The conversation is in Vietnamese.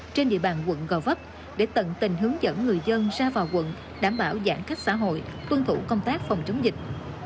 trên địa bàn quận gò vấp để tận tình hướng dẫn người dân ra vào quận đảm bảo giãn cách xã hội tuân thủ công tác phòng chống dịch